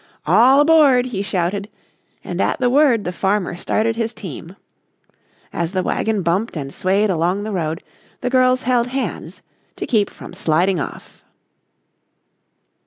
"All aboard!" he shouted, and at the word the farmer started his team. As the wagon bumped and swayed along the road, the girls held hands to keep from sliding off.